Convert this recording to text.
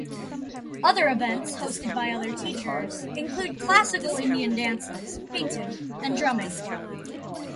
Other events, hosted by other teachers, include classical Indian dances, painting and drumming.